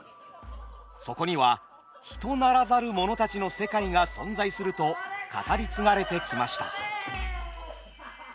そこには人ならざる者たちの世界が存在すると語り継がれてきました。